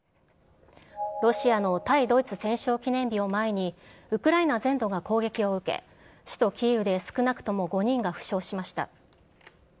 ロシアの対ドイツ戦勝記念日を前に、ウクライナ全土が攻撃を受け、首都キーウで少なくとも５人が負傷しました。